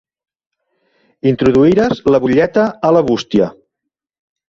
Introduïres la butlleta a la bústia.